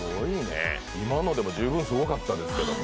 今のでも十分すごかったですけど。